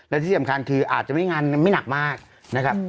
และที่สำคัญคืออาจจะไม่งานไม่หนักมากนะครับ